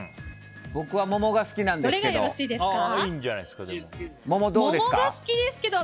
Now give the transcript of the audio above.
僕はももが好きなんですけど。